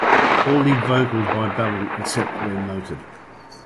All lead vocals by Balin except where noted.